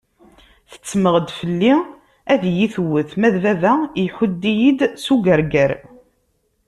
Tettemmeɣ-d fell-i ad iyi-tewwet, ma d baba iḥudd-iyi-d s ugerger.